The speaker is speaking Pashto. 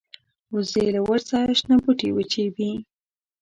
وزې له وچ ځایه شنه بوټي وچيبي